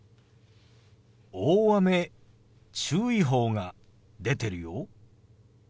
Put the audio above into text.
大雨注意報が出てるよ。